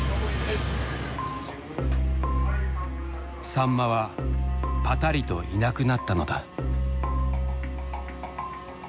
サンマはぱたりといなくなったのだ。